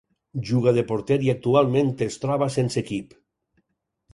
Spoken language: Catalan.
Juga de porter i actualment es troba sense equip.